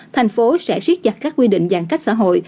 thành phố sẽ siết chặt các quy định giãn cách xã hội